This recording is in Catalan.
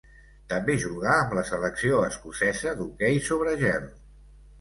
També jugà amb la selecció escocesa d'hoquei sobre gel.